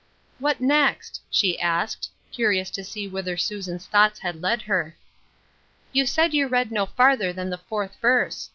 " What next ?" she asked, curious to see whither Susan's thoughts had led her. " You said you read no farther than the fourth \erse.